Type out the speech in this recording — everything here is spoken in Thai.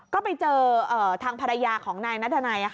ก็ไปเจอทางภรรยาของนายนัทนัย